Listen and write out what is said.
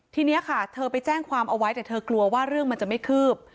ทีนี้ค่ะเธอไปแจ้งความเอาไว้แต่เธอกลัวว่าเรื่องมันจะไม่คืบ